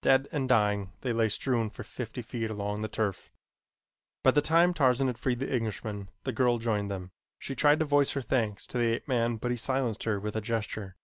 Dead and dying they lay strewn for fifty feet along the turf. By the time Tarzan had freed the Englishman the girl joined them. She tried to voice her thanks to the ape man but he silenced her with a gesture.